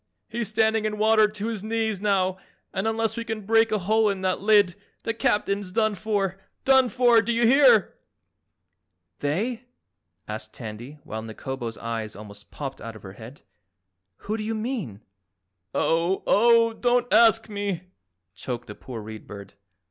He's standing in water to his knees now and unless we can break a hole in that lid the Captain's done for done for, do you hear?" "They?" asked Tandy while Nikobo's eyes almost popped out of her head, "Who do you mean?" "Oh, oh, don't ASK me!" choked the poor Read Bird.